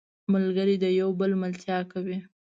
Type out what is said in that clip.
ملګری د یو بل ملتیا کوي